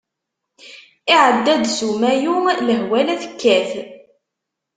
Iɛedda-d s umayu, lehwa la tekkat.